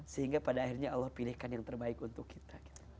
sehingga pada akhirnya allah pilihkan yang terbaik untuk kita